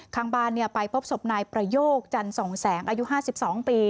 ข้างบ้านไปพบศพนายประโยคจันส่งแสงอายุ๕๒ปี